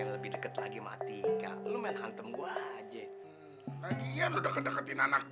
lebih deket lagi mati lo main hantem gue aja lagi ya udah kedeketin anak